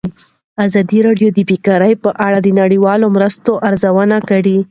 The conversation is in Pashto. ازادي راډیو د بیکاري په اړه د نړیوالو مرستو ارزونه کړې.